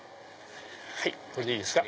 これでいいですか。